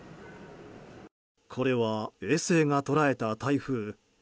これは衛星が捉えた台風。